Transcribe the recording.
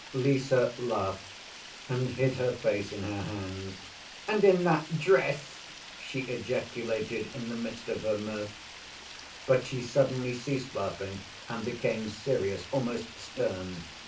Lise laughed, and hid her face in her hands. "And in that dress!" she ejaculated in the midst of her mirth. But she suddenly ceased laughing and became serious, almost stern.